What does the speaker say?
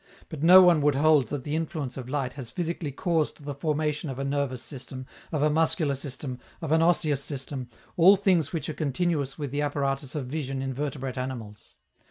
But no one would hold that the influence of light has physically caused the formation of a nervous system, of a muscular system, of an osseous system, all things which are continuous with the apparatus of vision in vertebrate animals.